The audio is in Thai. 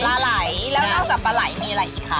ปลาไหลแล้วนอกจากปลาไหลมีอะไรอีกคะ